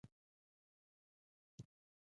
د هلمند کمال خان د آرینو کار دی